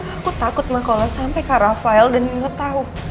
aku takut ma kalau sampai ke rafa elman dan elman tahu